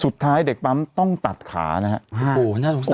สุดท้ายเด็กปั๊มต้องตัดขานะครับ